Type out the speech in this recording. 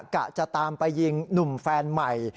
กะจะตามไปยิงหนุ่มแฟนใหม่